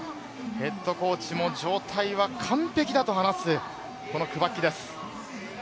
ヘッドコーチも状態は完璧だと話すクバッキです。